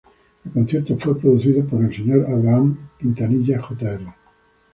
El concierto fue producido por el señor Abraham Quintanilla Jr.